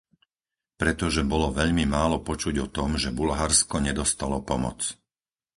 Pretože bolo veľmi málo počuť o tom, že Bulharsko nedostalo pomoc.